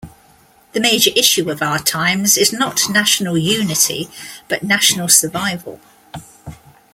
The major issue of our times is not national unity but national survival.